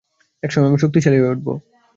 একসময় আমি শক্তিশালী হয়ে উঠবো।